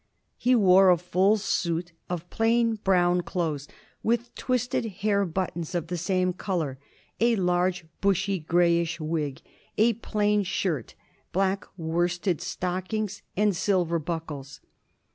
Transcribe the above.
He wore a full suit of plain brown clothes, with twisted hair buttons of the same colour, a large bushy greyish wig, a plain shirt, black worsted stockings and silver buckles.